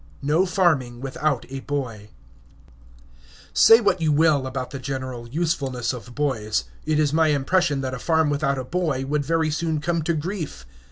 NO FARMING WITHOUT A BOY Say what you will about the general usefulness of boys, it is my impression that a farm without a boy would very soon come to grief.